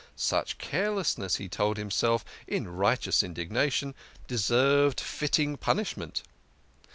Such carelessness, he told him self in righteous indigna tion, deserved fitting pun ishment.